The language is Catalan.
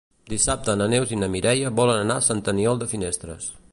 Dissabte na Neus i na Mireia volen anar a Sant Aniol de Finestres.